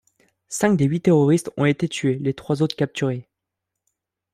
Cinq des huit terroristes ont été tués, les trois autres capturés.